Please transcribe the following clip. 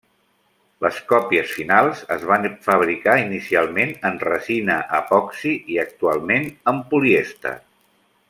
Les còpies finals es van fabricar inicialment en resina epoxi i, actualment, en polièster.